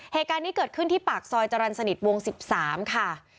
เหตุการณ์นี้เกิดขึ้นที่ปากซอยจรรย์สนิทวง๑๓ค่ะ